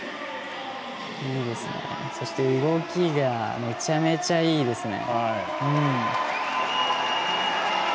そして、動きがめちゃめちゃいいですね。